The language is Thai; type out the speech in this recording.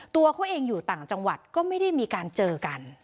ตัวเขาเองอยู่ต่างจังหวัดก็ไม่ได้มีการเจอกัน